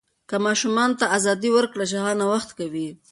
که ماشوم ته ازادي ورکړل شي، هغه نوښت کوي.